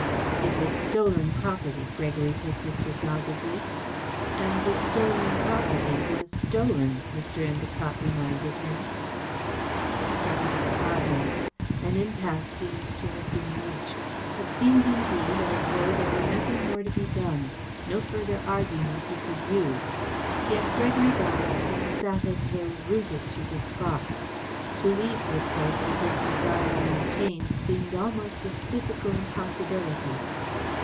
"It was stolen property," Gregory persisted doggedly. "And the stolen property was stolen," Mr. Endacott reminded him. There was a silence. An impasse seemed to have been reached. It seemed indeed as though there were nothing more to be done, no further argument he could use. Yet Gregory Ballaston sat as though rooted to the spot. To leave the place with his desire unattained seemed almost a physical impossibility.